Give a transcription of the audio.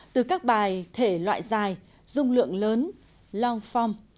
từ các bài thể loại dài dung lượng lớn long form